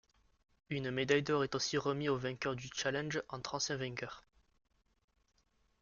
Une médaille d'or est aussi remis aux vainqueurs du challenge entre anciens vainqueurs.